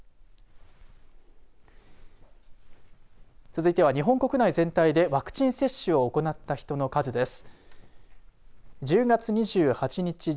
続いては日本国内全体でワクチン接種を行った人の数です。